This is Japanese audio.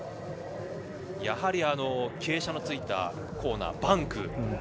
やはり、傾斜のついたコーナー、バンク。